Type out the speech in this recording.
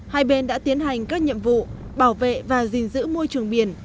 hai bên đã tiến hành các nhiệm vụ bảo vệ và gìn giữ môi trường biển